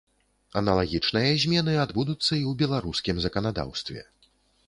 Аналагічныя змены адбудуцца і ў беларускім заканадаўстве.